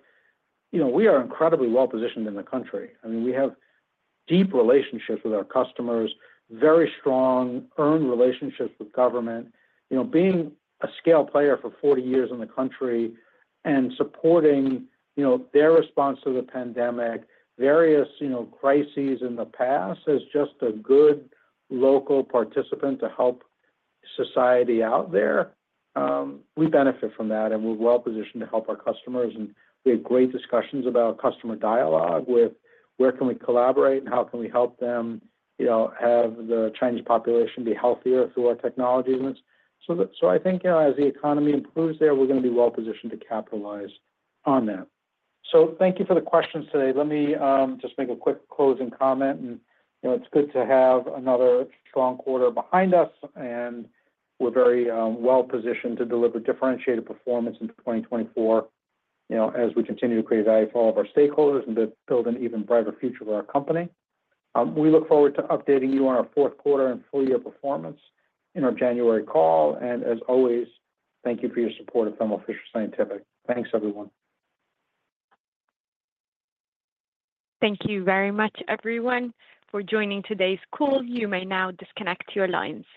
[SPEAKER 3] you know, we are incredibly well positioned in the country. I mean, we have deep relationships with our customers, very strong earned relationships with government. You know, being a scale player for 40 years in the country and supporting, you know, their response to the pandemic, various, you know, crises in the past, as just a good local participant to help society out there, we benefit from that, and we're well positioned to help our customers. And we had great discussions about customer dialogue with where we can collaborate and how we can help them, you know, have the Chinese population be healthier through our technologies. So I think, you know, as the economy improves there, we're going to be well positioned to capitalize on that. So thank you for the questions today. Let me just make a quick closing comment. And, you know, it's good to have another strong quarter behind us, and we're very well positioned to deliver differentiated performance into 2024, you know, as we continue to create value for all of our stakeholders and to build an even brighter future for our company. We look forward to updating you on our fourth quarter and full year performance in our January call. And as always, thank you for your support of Thermo Fisher Scientific. Thanks, everyone.
[SPEAKER 1] Thank you very much, everyone, for joining today's call. You may now disconnect your lines.